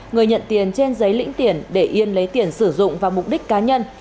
người nhận tiền trên giấy lĩnh tiền để yên lấy tiền sử dụng vào mục đích cá nhân